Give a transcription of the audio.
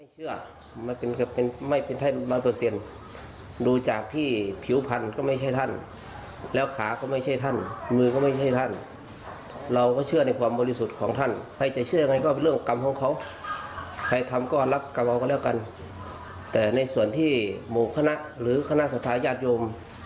เชือก็รับกระเบากะเลียวกันแต่ในส่วนที่โมคณะหรือคณะสถาญาติโยม